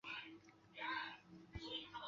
三城的一个地区。